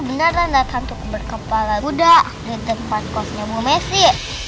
beneran ada hantu berkepala kuda di tempat kosnya bu messi